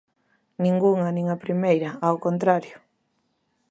Ningunha, nin a primeira, ¡ao contrario!